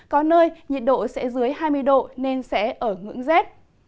có nơi nhiệt độ sẽ dưới hai mươi độ nên sẽ ở ngưỡng rét